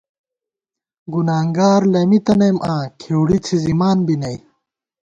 گُنانگار لَمِی تنَئیم آں ، کھېوڑی څِھزِمان بی نئ